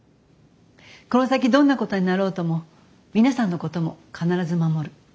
この先どんなことになろうとも皆さんのことも必ず守る。